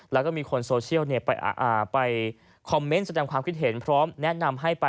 แล้วก็มีคนโซเชียลไปคอมเมนต์แสดงความคิดเห็นพร้อมแนะนำให้ไป